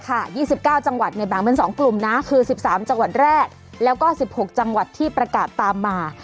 ๒๙จังหวัดเนี่ยแบ่งเป็น๒กลุ่มนะคือ๑๓จังหวัดแรกแล้วก็๑๖จังหวัดที่ประกาศตามมา